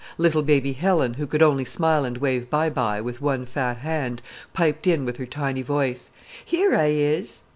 Little baby Helen, who could only smile and wave "by by" with one fat hand, piped in with her tiny voice, "Here I is!"